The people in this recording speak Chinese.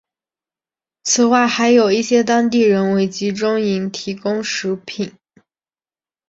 此外还有一些当地人为集中营提供食品。